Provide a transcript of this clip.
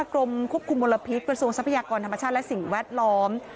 กรมควบคุมมลพิษกระทรวงทรัพยากรธรรมชาติและสิ่งแวดล้อม